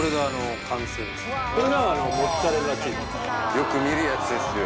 よく見るやつですよ。